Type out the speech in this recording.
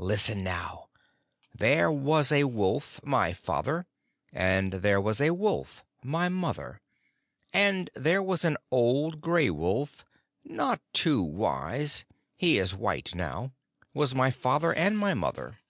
Listen now: There was a wolf, my father, and there was a wolf, my mother, and there was an old gray wolf (not too wise: he is white now) was my father and my mother.